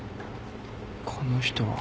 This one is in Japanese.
この人は